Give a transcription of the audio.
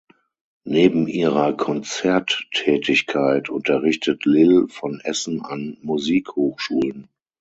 Neben ihrer Konzerttätigkeit unterrichtet Lil von Essen an Musikschulen.